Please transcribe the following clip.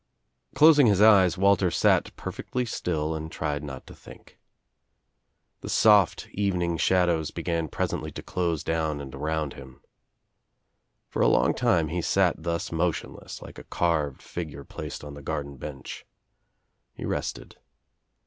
Closing his eyes Walter sat perfectly still and tried not to think. The soft evening shadows began pres ently to close down and around him. For a long time he sat thus motionless, like a carved figure placed on the garden bench. He rested.